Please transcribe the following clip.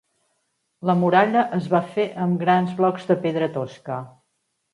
La muralla es va fer amb grans blocs de pedra tosca.